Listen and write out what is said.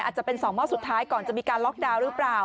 อาจจะเป็น๒หม้อสุดท้ายก่อนจะมีการล็อกดาวน์หรือเปล่า